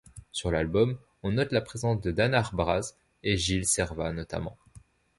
Sur l’album, on note la présence de Dan Ar Braz et Gilles Servat notamment.